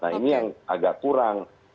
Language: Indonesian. nah ini yang agak kurang